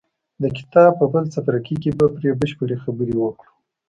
د کتاب په بل څپرکي کې به پرې بشپړې خبرې وکړو.